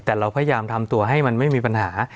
แต่เราพยายามทำตัวให้มันไม่มีปัญหา